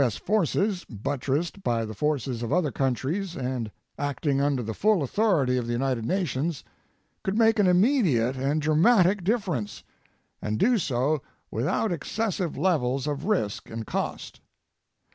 S. forces, buttressed by the forces of other countries and acting under the full authority of the United Nations, could make an immediate and dramatic difference, and do so without excessive levels of risk and cost.